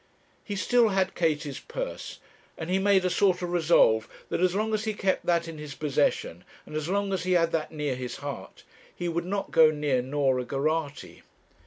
He still had Katie's purse, and he made a sort of resolve that as long as he kept that in his possession, as long as he had that near his heart, he would not go near Norah Geraghty.